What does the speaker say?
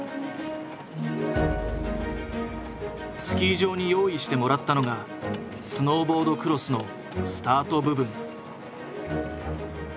スキー場に用意してもらったのがスノーボードクロスのスタート部分。